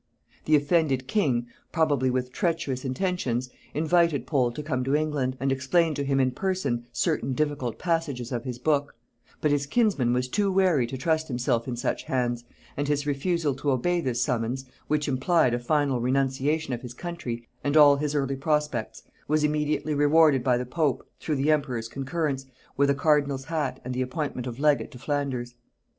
The offended king, probably with treacherous intentions, invited Pole to come to England, and explain to him in person certain difficult passages of his book: but his kinsman was too wary to trust himself in such hands; and his refusal to obey this summons, which implied a final renunciation of his country and all his early prospects, was immediately rewarded by the pope, through the emperor's concurrence, with a cardinal's hat and the appointment of legate to Flanders.